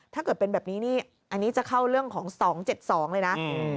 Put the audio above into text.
ถ้าเกิดเป็นแบบนี้นี่อันนี้จะเข้าเรื่องของ๒๗๒เลยนะ